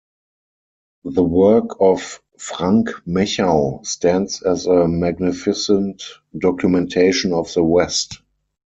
The work of Frank Mechau stands as a magnificent documentation of the West.